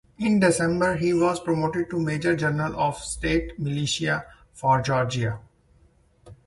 In December, he was promoted to major general of state militia for Georgia.